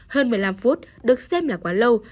hơn một mươi năm phút được xem là quá lâu